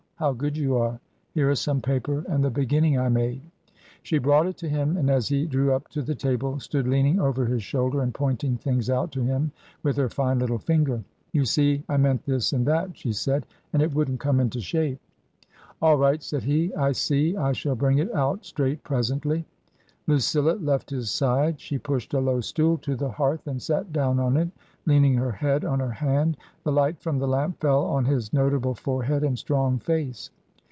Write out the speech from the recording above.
How good you are! Here is some paper and the beginning I made." She brought it to him, and as he drew up to the table, stood leaning over his shoulder and pointing things out to him with her fine little finger. " You see I meant this and that," she said, " and it wouldn't come into shape." " All right," said he ; "I see. I shall bring it out straight presently." Lucilla left his side. She pushed a low stool to the hearth and sat down on it, leaning her head on her hand. The light from the lamp fell on his notable forehead and strong face.